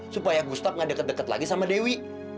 supaya gustaf gak deket deket lagi sama dewi